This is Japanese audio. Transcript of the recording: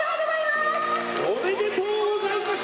おめでとうございます。